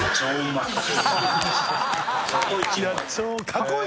過去一！？